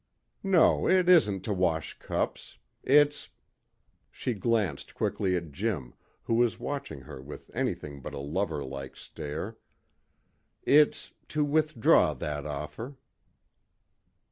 "No, it isn't to wash cups. It's" she glanced quickly at Jim, who was watching her with anything but a lover like stare "it's to withdraw that offer."